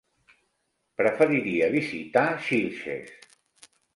Preferiria visitar Xilxes.